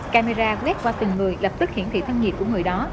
camera quét qua từng người lập tức hiển thị thân nhiệt của người đó